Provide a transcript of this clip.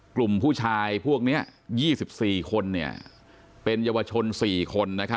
กลุ่มผู้ชายพวกนี้๒๔คนเป็นเยาวชน๔คน